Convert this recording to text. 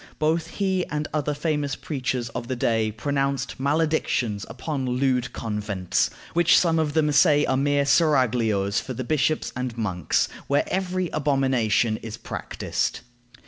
Both he and other famous preachers of the day pronounced maledictions upon lewd convents, which some of them say are mere seraglios for the bishops and monks, where every abomination is practiced.